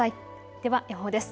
では予報です。